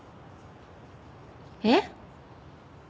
えっ？